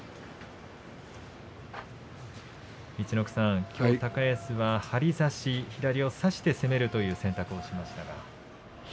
陸奥さん、きょう高安の張り差し左を差して攻めるという選択をしましたが。